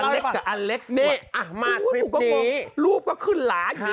อเล็กซ์กับอเล็กซ์นี่มาทริปนี้รูปก็ขึ้นหลาอย่างนั้น